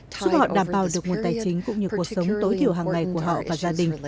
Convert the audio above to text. giúp họ đảm bảo được nguồn tài chính cũng như cuộc sống tối thiểu hàng ngày của họ và gia đình